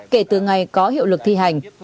kể từ ngày có hiệu lực thi hành